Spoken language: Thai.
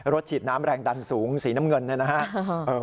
รถฉีดน้ำแรงดันสูงสีน้ำเงินนะครับ